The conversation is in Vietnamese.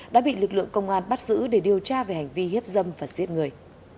đã bị lực lượng công an bắt giữ để điều tra về hành vi hiếp dâm và giết người